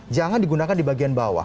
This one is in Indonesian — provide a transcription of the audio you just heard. jangan digunakan di bagian bawah